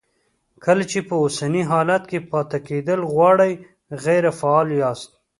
کله چې په اوسني حالت کې پاتې کېدل غواړئ غیر فعال یاست.